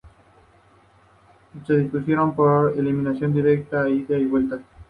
Se disputaron por eliminación directa a ida y vuelta.